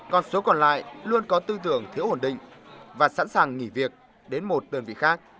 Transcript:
còn số còn lại luôn có tư tưởng thiếu ổn định và sẵn sàng nghỉ việc đến một đơn vị khác